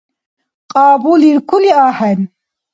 Кьабулиркули ахӀен.